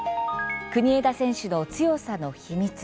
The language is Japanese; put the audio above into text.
国枝選手の強さの秘密